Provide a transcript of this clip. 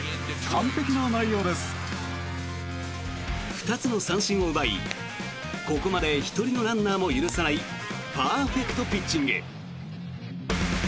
２つの三振を奪い、ここまで１人のランナーも許さないパーフェクトピッチング。